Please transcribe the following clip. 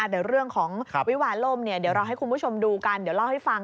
แต่เรื่องของวิวาล่มเดี๋ยวเราให้คุณผู้ชมดูกันเดี๋ยวเล่าให้ฟัง